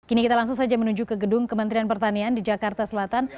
kini kita langsung saja menuju ke gedung kementerian pertanian di jakarta selatan